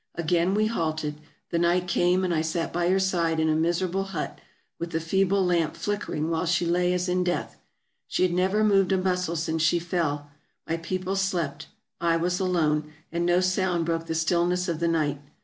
Again we halted. The night came, and I sat by her side in a miserable hut, with the feeble lamp flickering while she lay as in death. She had never moved a muscle since she fell. My people slept. I was alone, and no sound broke the stillness of the night.